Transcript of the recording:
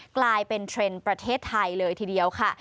กลายเป็นเทรนด์ประเทศไทยเลยทีเดียวค่ะ